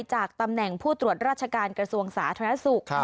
จากตำแหน่งผู้ตรวจราชการกระทรวงสาธารณสุข